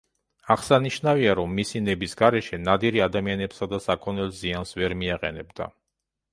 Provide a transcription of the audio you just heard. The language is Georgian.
აღსანიშნავია, რომ მისი ნების გარეშე ნადირი ადამიანებსა და საქონელს ზიანს ვერ მიაყენებდა.